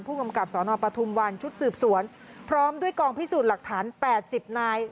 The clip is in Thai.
ผู้กำกับสนปทุมวันชุดสืบสวนพร้อมด้วยกองพิสูจน์หลักฐาน๘๐นาย